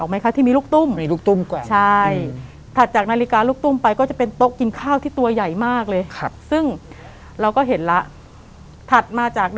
ไม่รู้ยังไม่รู้จัก